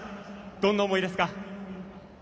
どんな思いですか？